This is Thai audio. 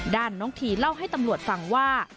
น้องทีเล่าให้ตำรวจฟังว่า